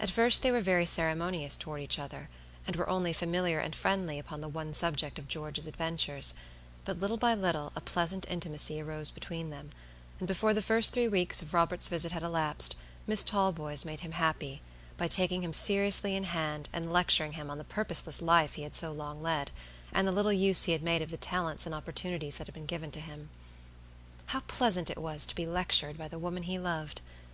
At first they were very ceremonious toward each other, and were only familiar and friendly upon the one subject of George's adventures; but little by little a pleasant intimacy arose between them, and before the first three weeks of Robert's visit had elapsed, Miss Talboys made him happy, by taking him seriously in hand and lecturing him on the purposeless life he had led so long, and the little use he had made of the talents and opportunities that had been given to him. How pleasant it was to be lectured by the woman he loved!